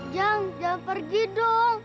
jang jangan pergi dong